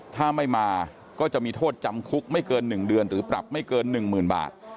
ถ้าไม่มาก็จะมีโทษจำคุกไม่เกิน๑เดือนหรือปรับไม่เกิน๑๐๐๐บาท